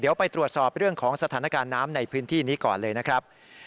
เดี๋ยวไปตรวจสอบเรื่องของสถานการณ์น้ำในพื้นที่นี้ก่อนเลยนะครับ